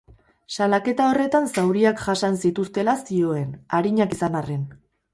Salaketa horretan zauriak jasan zituztela zioten, arinak izan arren.